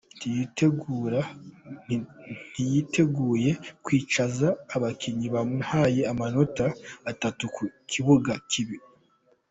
Ntiyiteguye kwicaza abakinnyi bamuhaye amanota atatu ku kibuga kibi .